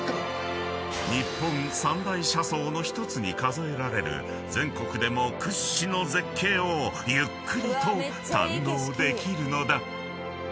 ［日本三大車窓の１つに数えられる全国でも屈指の絶景をゆっくりと堪能できるのだ］